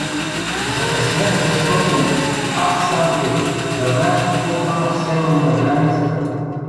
— Закъснях, защото… Ах, Санке, да знаеш какво стана в Сеново, на границата.